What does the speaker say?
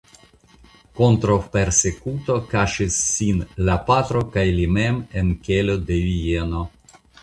Kontraŭ persekuto kaŝis sin la patro kaj li mem en kelo de Vieno.